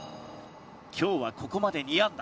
今日はここまで２安打。